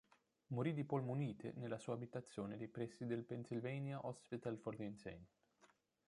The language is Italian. Morì di polmonite nella sua abitazione dei pressi del Pennsylvania Hospital for the Insane.